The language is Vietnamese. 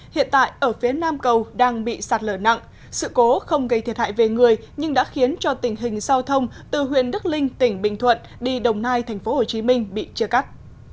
hiện tại ở phía nam cầu đang bị sạt lở nặng sự cố không gây thiệt hại về người nhưng đã khiến cho tình hình giao thông từ huyện đức linh tỉnh bình thuận đi đồng nai tp hcm bị chia cắt